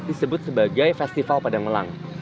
disebut sebagai festival padang melang